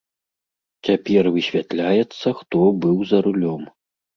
Цяпер высвятляецца, хто быў за рулём.